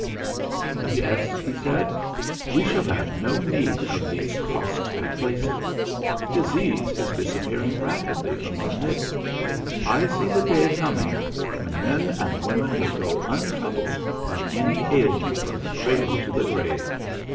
"Yes," he said, "we shall have no need of these costly places. Disease is disappearing rapidly from our midst. I see the day coming when men and women will go untroubled by any ailment from the cradle to the grave.